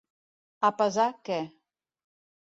A pesar que.